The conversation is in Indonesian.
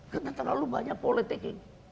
karena terlalu banyak politik